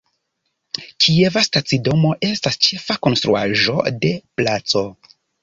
Kieva stacidomo estas ĉefa konstruaĵo de placo.